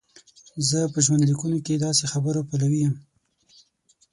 زه په ژوندلیکونو کې د داسې خبرو پلوی یم.